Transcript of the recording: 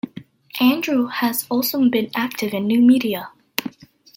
Andrew has also been active in new media.